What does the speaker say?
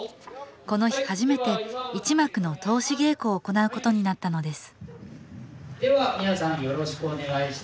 この日初めて一幕の通し稽古を行うことになったのです